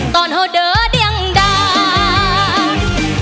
ตอนเฮ้าเด็กเด็งดัง